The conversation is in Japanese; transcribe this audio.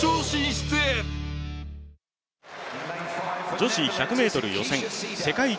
女子１００ｍ予選、世界一